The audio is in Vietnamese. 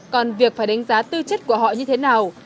còn việc phải đánh giá tư chất của họ như thế nào